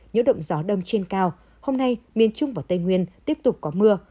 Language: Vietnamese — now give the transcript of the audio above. nhiễu động gió đông trên cao hôm nay miền trung và tây nguyên tiếp tục có mưa